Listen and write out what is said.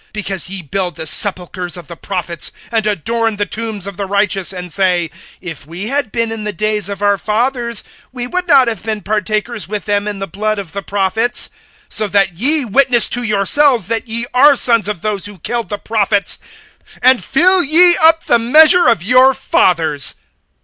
because ye build the sepulchres of the prophets, and adorn the tombs of the righteous, and say: (30)If we had been in the days of our fathers, we would not have been partakers with them in the blood of the prophets. (31)So that ye witness to yourselves, that ye are sons of those who killed the prophets; (32)and fill ye up the measure of your fathers!